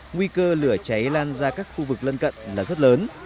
nguy cơ lửa cháy lan ra các khu vực lân cận là rất lớn